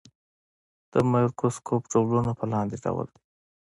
د مایکروسکوپ ډولونه په لاندې ډول دي.